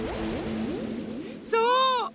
そう！